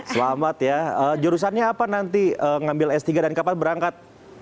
selamat ya jurusannya apa nanti ngambil s tiga dan kapan berangkat